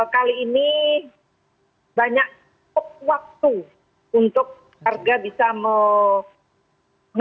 kali ini banyak waktu untuk warga bisa memanfaatkan